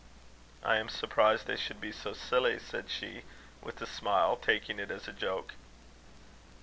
"I am surprised they should be so silly," said she, with a smile, taking it as a joke.